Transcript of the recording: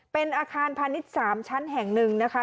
เป็นอาคารพาณิชย์๓ชั้นแห่งหนึ่งนะคะ